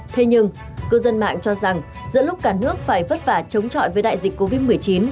thế nhưng cư dân mạng cho rằng giữa lúc cả nước phải vất vả chống trọi với đại dịch covid một mươi chín